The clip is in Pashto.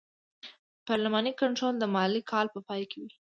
پارلماني کنټرول د مالي کال په پای کې وي.